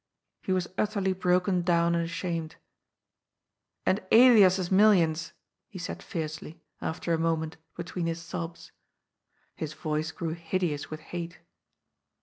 He was utterly broken down and ashamed. ^^And Elias's millions!" he said fiercely, after a mo ment, between his sobs. His voice grew hideous with hate.